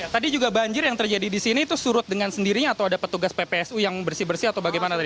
tadi juga banjir yang terjadi di sini itu surut dengan sendirinya atau ada petugas ppsu yang bersih bersih atau bagaimana tadi